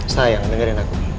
sayang dengerin aku